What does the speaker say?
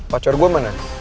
pacar gua mana